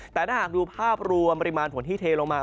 แต่ถ้าหากดูภาพรวมปริมาณฝนที่เทลงมา